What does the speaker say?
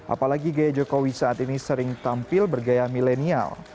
apalagi gaya jokowi saat ini sering tampil bergaya milenial